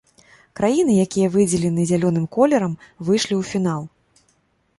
Краіны, якія выдзелены зялёным колерам, выйшлі ў фінал.